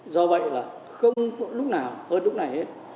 do vậy là không lúc nào hơn lúc này hết